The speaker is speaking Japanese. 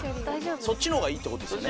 そっちの方がいいってことですよね？